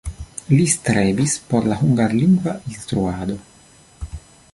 Li strebis por la hungarlingva instruado.